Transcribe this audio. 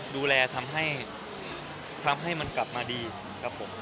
ดูแลทำให้มันกลับมาดีครับผม